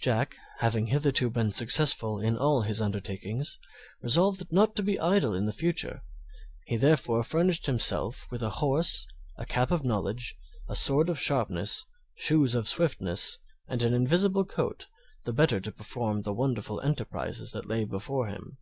Jack, having hitherto been successful in all his undertakings, resolved not to be idle in future; he therefore furnished himself with a horse, a cap of knowledge, a sword of sharpness, shoes of swiftness, and an invisible coat, the better to perform the wonderful enterprises that lay before him.